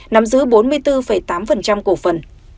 nằm giữ bốn mươi bốn tám cổ phần